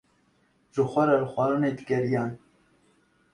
Ji xwe re li xwarinê digeriyan.